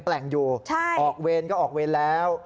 แปลงอยู่ออกเวรก็ออกเวรแล้ว